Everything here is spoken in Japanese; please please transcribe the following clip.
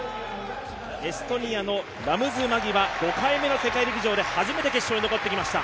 エストニアのラムズ・マギは５回目の世界陸上で初めて決勝に残ってきました。